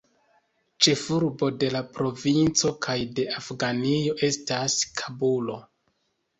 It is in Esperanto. Ĉefurbo de la provinco kaj de Afganio estas Kabulo.